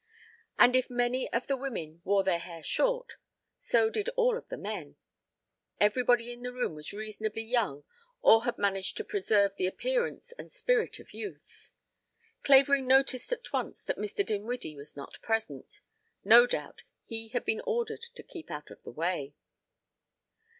And if many of the women wore their hair short, so did all of the men. Everybody in the room was reasonably young or had managed to preserve the appearance and spirit of youth. Clavering noticed at once that Mr. Dinwiddie was not present. No doubt he had been ordered to keep out of the way!